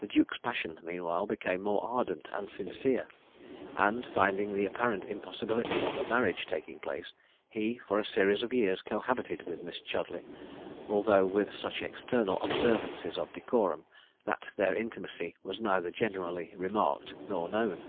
The duke's passion, meanwhile, became more ardent and sincere; and, finding the apparent impossibility of a marriage taking place, he for a series of years cohabited with Miss Chudleigh, although with such external observances of decorum, that their intimacy was neither generally remarked nor known.